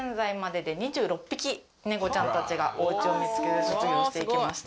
猫ちゃんたちがお家を見つけて卒業して行きました。